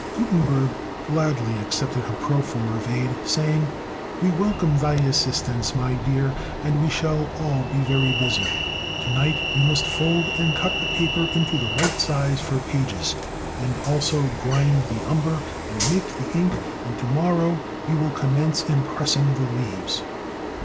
Gutenberg gladly accepted her proffer of aid, saying, "We welcome thy assistance, my dear, and we shall all be very busy. To night we must fold and cut the paper into the right size for pages, and also grind the umber and make the ink, and to morrow we will commence impressing the leaves."